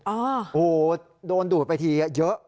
โอ้โหโดนดูดไปทีเยอะ